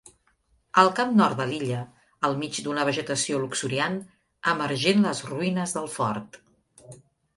Al cap nord de l'illa, al mig d'una vegetació luxuriant, emergent les ruïnes del fort.